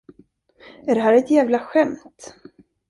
Är det här ett jävla skämt?